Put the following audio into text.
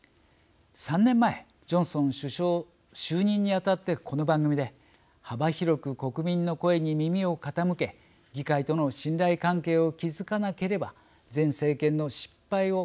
３年前ジョンソン首相就任にあたってこの番組で幅広く、国民の声に耳を傾け議会との信頼関係を築かなければ前政権の失敗を